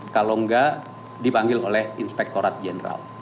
kalau enggak dipanggil oleh inspektorat jenderal